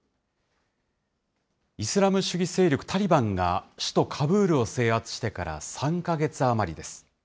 イスラム主義勢力タリバンが首都カブールを制圧してから３か月余りです。